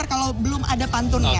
kalau belum ada pantunnya